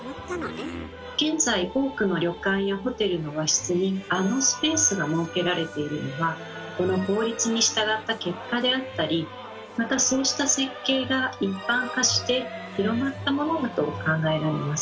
現在多くの旅館やホテルの和室にあのスペースが設けられているのはこの法律に従った結果であったりまたそうした設計が一般化して広まったものだと考えられます。